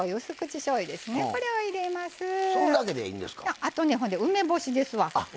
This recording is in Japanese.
あと、梅干しですわ。